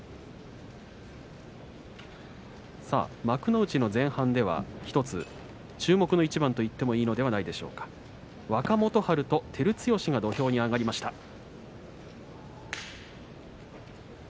幕内の前半では１つ注目の一番といってもいいのではないでしょうか若元春と照強が土俵に上がりました。